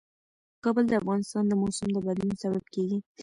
کابل د افغانستان د موسم د بدلون سبب کېږي.